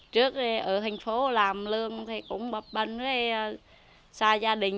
trước ở thành phố làm lương thì cũng bập bên xa gia đình